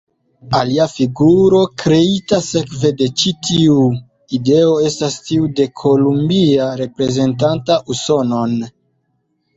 Alia figuro kreita sekve de ĉi tiu ideo estas tiu de Kolumbia reprezentanta Usonon.